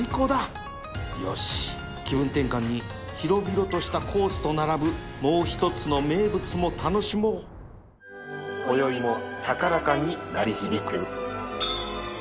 よし気分転換に広々としたコースと並ぶもう一つの名物も楽しもうこよいも高らかに鳴り響く。